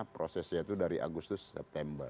prosesnya itu dari agustus september